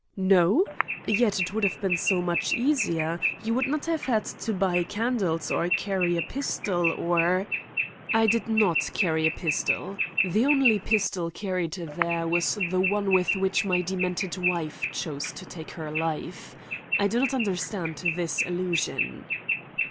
"No? Yet it would have been so much easier. You would not have had to buy candles or carry a pistol or—" "I did not carry a pistol. The only pistol carried there was the one with which my demented wife chose to take her life. I do not understand this allusion."